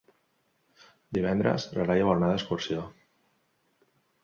Divendres na Laia vol anar d'excursió.